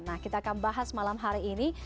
nah kita akan bahas malam hari ini